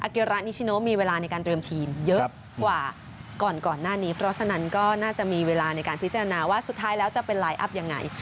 ก็น่าจะมีเวลาในการพิจารณาว่าสุดท้ายแล้วจะเป็นไลน์อัพอย่างไร